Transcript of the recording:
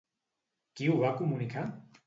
Qui ho va comunicar?